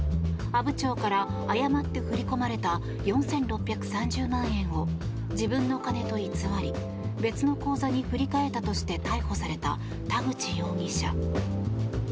阿武町から誤って振り込まれた４６３０万円を自分の金と偽り別の口座に振り替えたとして逮捕された田口容疑者。